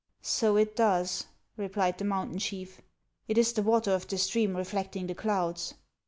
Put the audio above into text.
" So it does," replied the mountain chief ;" it is the water of the stream reflecting the clouds."